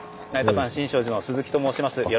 成田山新勝寺の鈴木と申します。